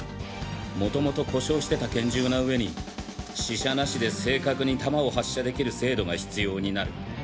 元々故障してた拳銃な上に試射なしで正確に弾を発射できる精度が必要になる。